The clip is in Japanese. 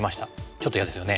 ちょっと嫌ですよね。